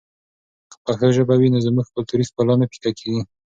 که پښتو ژبه وي نو زموږ کلتوري ښکلا نه پیکه کېږي.